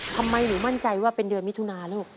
ทำไมหนูมั่นใจว่าเป็นเดือนมิถุนาลูก